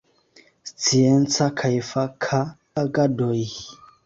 Scienca kaj faka agadoj.